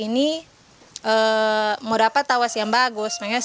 ini mau dapat tawas yang bagus